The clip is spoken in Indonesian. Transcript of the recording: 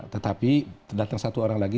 tetapi datang satu orang lagi